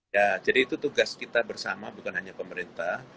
ya jadi itu tugas kita bersama bukan hanya pemerintah